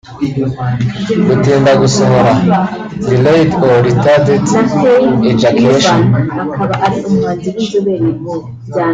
Gutinda gusohora ( delayed or retarded ejaculation )